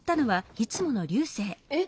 えっ？